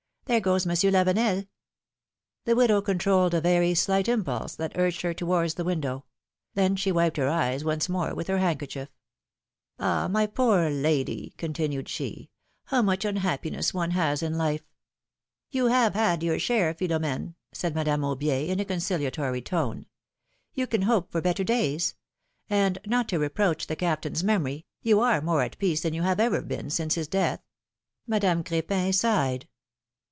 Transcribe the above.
There goes Mon sieur Lavenel !" The widow controlled a very slight impulse that urged her towards the window; then she wiped her eyes once more with her handkerchief. ^^Ah ! my poor lady," continued she, how much unhappiness one has in life!" 22 PHILOM^:NE^S MARRIAGES. You have had your share, Philom^ne!'^ said Madame Aubier, in a conciliatory tone. You can hope for better days. And, not to reproach the Captain's memory, you are more at peace than you have ever been since his death." Madame Cr^pin sighed.